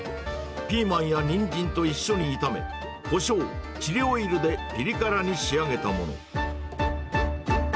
ピーマンやニンジンと一緒に炒め、こしょう、チリオイルでピリ辛に仕上げたもの。